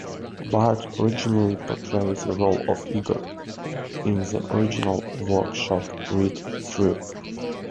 Bart originally portrayed the role of Igor in the original workshop read through.